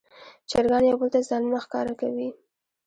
چرګان یو بل ته ځانونه ښکاره کوي.